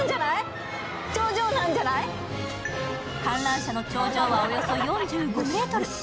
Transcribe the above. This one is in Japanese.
観覧車の頂上はおよそ４５ｍ。